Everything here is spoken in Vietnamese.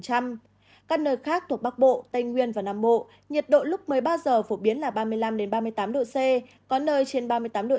các nơi khác thuộc bắc bộ tây nguyên và nam mộ nhiệt độ lúc một mươi ba giờ phổ biến là ba mươi năm đến ba mươi tám độ c có nơi trên ba mươi tám độ c độ ẩm thấp nhất là năm mươi độ c